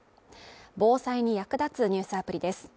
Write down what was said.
防災に役立つニュースアプリです。